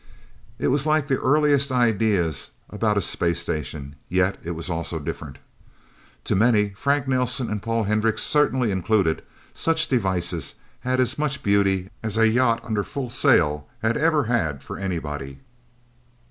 It was like the earliest ideas about a space station, yet it was also different. To many Frank Nelsen and Paul Hendricks certainly included such devices had as much beauty as a yacht under full sail had ever had for anybody.